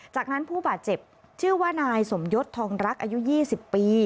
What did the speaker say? จากนั้นผู้บาดเจ็บชื่อว่านายสมยศทองรักอายุ๒๐ปี